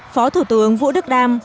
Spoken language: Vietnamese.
phó thủ tướng vũ đức đam